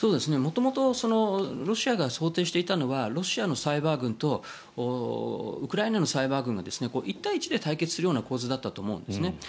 元々ロシアが想定していたのはロシアのサイバー軍とウクライナのサイバー軍が１対１で対決するような構図だったと思うんですね。